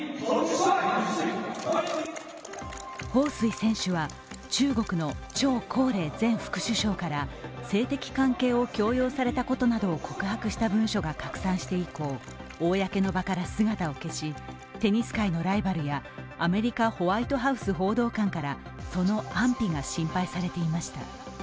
彭帥選手は中国の張高麗前副首相から性的関係を強要されたことなどを告白した文書が公開されて以降、公の場から姿を消し、テニス界のライバルやアメリカ・ホワイトハウスの報道官からその安否が心配されていました。